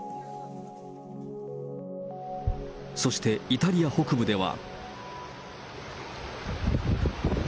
そしてイタリア北部では。